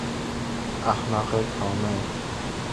احمق کامل